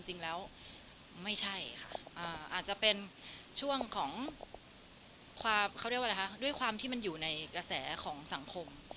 จริงแล้วไม่ใช่ค่ะอาจจะเป็นช่วงของด้วยความที่มันอยู่ในกระแสของสังคม